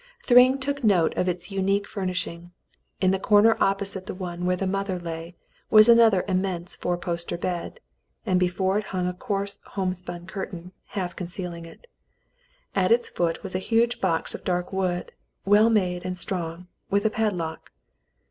Thr3mg took note of its unique fur nishing. In the corner opposite the one where the mother lay was another immense four poster bed, and before it hung a coarse homespun curtain, half concealing it. At its foot was a huge box of dark wood, well made and strong, with a padlock.